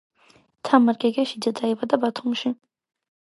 თამარ გეგეშიძე დაიბადა ბათუმში